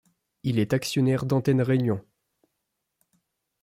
Il est actionnaire d'Antenne Réunion.